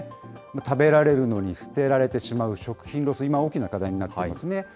食べられるのに捨てられてしまう食品ロス、今、大きな課題になっていますね。